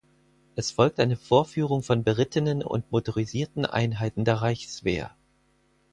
Es folgt eine Vorführung von berittenen und motorisierten Einheiten der Reichswehr.